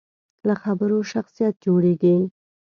له خبرو شخصیت جوړېږي.